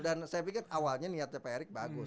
dan saya pikir awalnya niatnya pak erick bagus